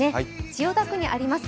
千代田区にあります